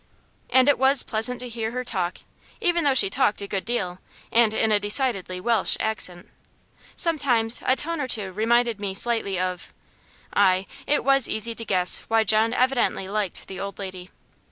And it was pleasant to hear her talk, even though she talked a good deal, and in a decidedly Welsh accent. Sometimes a tone or two reminded me slightly of Ay, it was easy to guess why John evidently liked the old lady.